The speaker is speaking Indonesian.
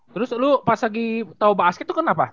terus lu pas lagi tau basket tuh kenapa